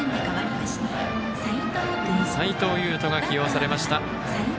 齋藤佑征が起用されました。